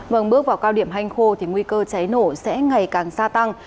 vâng bước vào cao điểm hanh khô thì nguy cơ cháy nổ sẽ ngày càng gia tăng